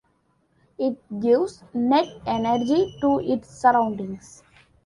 It gives net energy to its surroundings.